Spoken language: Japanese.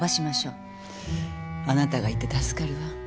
あなたがいて助かるわ。